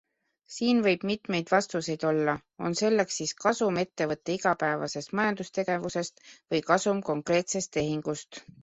Siin võib mitmeid vastuseid olla, on selleks siis kasum ettevõtte igapäevasest majandustegevusest või kasum konkreetsest tehingust.